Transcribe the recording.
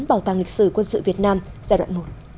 bảo tàng lịch sử quân sự việt nam giai đoạn một